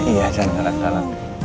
iya jangan salah salah